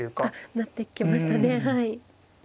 なってきましたねはい。